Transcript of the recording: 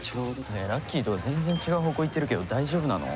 ねえラッキーとは全然違う方向行ってるけど大丈夫なの？